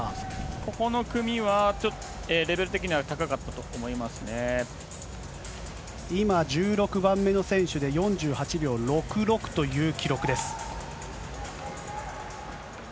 ここの組はレベル的には高か今、１６番目の選手で４８秒６６という記録です。